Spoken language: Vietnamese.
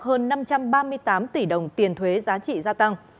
hơn năm trăm ba mươi tám tỷ đồng tiền thuế giá trị gia tăng